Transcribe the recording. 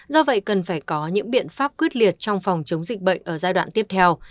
do vậy cần phải có những biện pháp quyết liệt trong phòng chống dịch bệnh ở giai đoạn tiếp theo